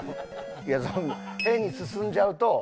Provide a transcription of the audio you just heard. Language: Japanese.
いや変に進んじゃうと。